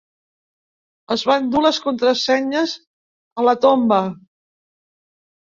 Es va endur les contrasenyes a la tomba.